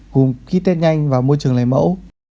gồm kỹ test nhanh và môi trường lấy mẫu